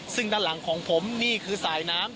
ซึ่งด้านหลังของผมนี่คือสายน้ำ